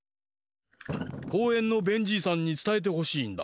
こうえんのベンじいさんにつたえてほしいんだ。